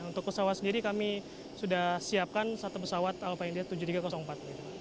untuk pesawat sendiri kami sudah siapkan satu pesawat alva india tujuh ribu tiga ratus empat